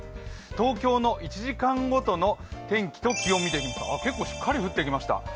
東京の１時間ごとの天気と気温を見ていくと結構しっかり降ってきました。